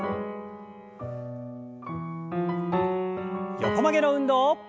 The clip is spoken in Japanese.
横曲げの運動。